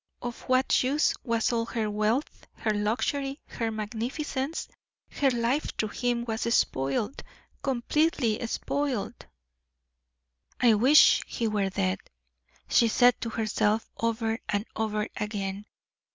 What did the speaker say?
Of what use was all her wealth, her luxury, her magnificence? Her life through him was spoiled completely spoiled. "I wish he were dead," she said to herself, over and over again.